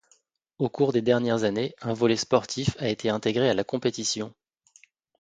Au cours des dernières années, un volet sportif a été intégré à la compétition.